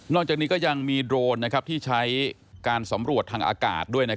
จากนี้ก็ยังมีโดรนที่ใช้การสำรวจทางอากาศด้วย